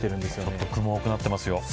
ちょっと雲が多くなってますよ。